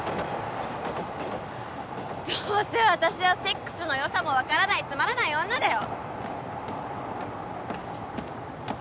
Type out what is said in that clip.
どうせ私はセックスのよさも分からないつまらない女だよ！